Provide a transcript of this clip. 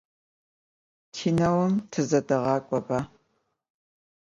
Kineum tızedeğak'oba.